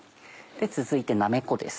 続いてなめこです。